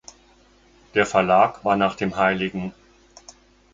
Der Verlag war nach dem hl.